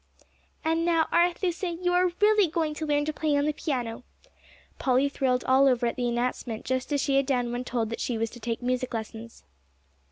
"And now, Arethusa, you are really going to learn to play on the piano." Polly thrilled all over at the announcement, just as she had done when told that she was to take music lessons.